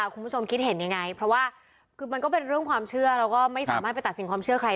คุณผู้ชมครับนี่คือสิ่งต่างที่เขาสะท้อนออกมานะครับ